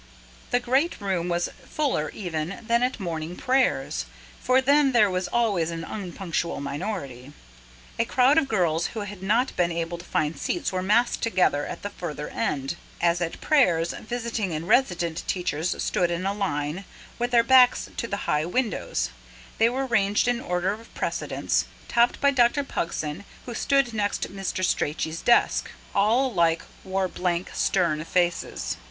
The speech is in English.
The great room was fuller even than at morning prayers; for then there was always an unpunctual minority. A crowd of girls who had not been able to find seats was massed together at the further end. As at prayers, visiting and resident teachers stood in a line, with their backs to the high windows; they were ranged in order of precedence, topped by Dr Pughson, who stood next Mr. Strachey's desk. All [P.120] alike wore blank, stern faces.